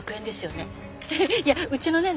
いやうちのね